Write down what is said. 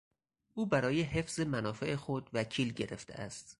او برای حفظ منافع خود وکیل گرفته است.